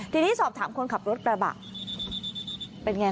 ทีนี้สอบถามคนขับรถกระบะเป็นไง